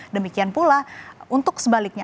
demikian pula untuk sebaliknya